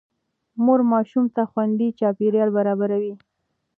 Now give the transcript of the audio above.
مور ماشوم ته خوندي چاپېريال برابروي.